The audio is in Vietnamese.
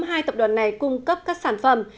hai tập đoàn này cung cấp các sản phẩm